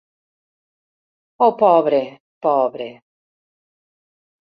Oh pobre, pobre!